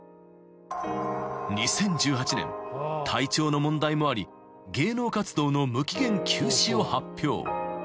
［２０１８年体調の問題もあり芸能活動の無期限休止を発表］